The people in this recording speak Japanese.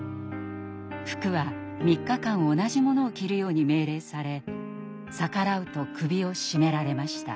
服は３日間同じものを着るように命令され逆らうと首を絞められました。